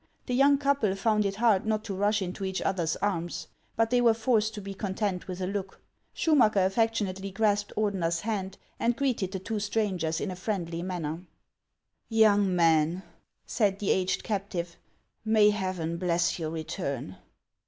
The young couple found it hard not to rush into each other's arms ; but they were forced to be con tent with a look. Schumacker affectionately grasped Ordener's hand, and greeted the two strangers in a friendly manner. 524 HANS OF ICELAND. " Young man," said the aged captive, " may Heaven bless your return